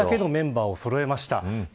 あれだけのメンバーをそろえました。